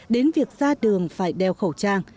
đến việc ra đường phải đeo khẩu trang